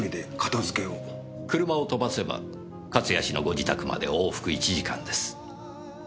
車を飛ばせば勝谷氏のご自宅まで往復１時間です。